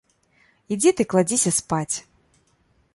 Ідзі ды кладзіся спаць.